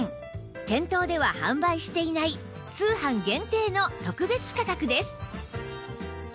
店頭では販売していない通販限定の特別価格です